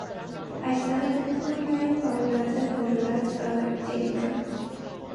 Այստեղ է գտնվում նաև պարուրաձև ոլորված թելիկը։